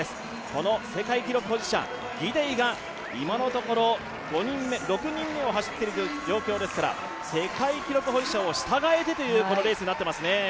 この世界記録保持者、ギデイが今のところ、６人目を走っている状況ですから世界記録保持者を従えてというレースになっていますね。